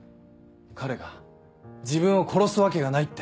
彼が自分を殺すわけがないって。